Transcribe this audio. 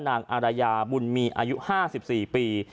อารยาบุญมีอายุ๕๔ปี